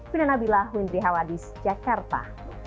pindah nabilah windri hawa di jakarta